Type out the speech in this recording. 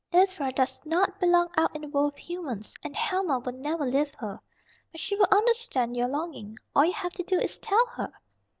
Ivra docs not belong out in the world of humans, and Helma will never leave her. But she will understand your longing. All you have to do is tell her."